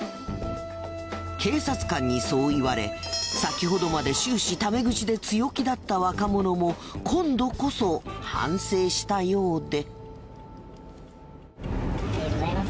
警察官にそう言われ先ほどまで終始タメ口で強気だった若者も今度こそ反省したようで。